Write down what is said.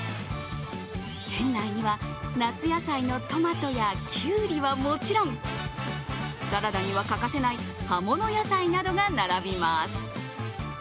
店内には夏野菜のトマトやキュウリはもちろんサラダには欠かせない葉物野菜などが並びます。